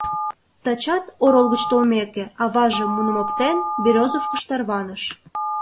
Тачат, орол гыч толмеке, аваже, муным оптен, Берёзовкыш тарваныш.